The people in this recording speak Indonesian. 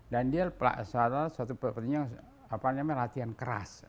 dan dia pelaksana suatu latihan keras